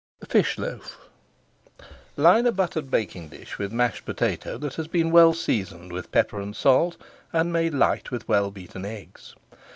FISH LOAF Line a buttered baking dish with mashed potato that has been well seasoned with pepper and salt, and made light with well beaten eggs.